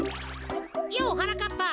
ようはなかっぱ。